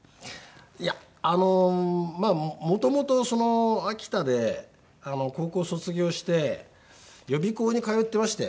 いやあのもともとその秋田で高校卒業して予備校に通ってまして。